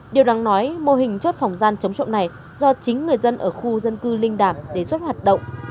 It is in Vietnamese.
điều đáng nói mô hình chốt phòng gian chống trộm này do chính người dân ở khu dân cư linh đàm đề xuất hoạt động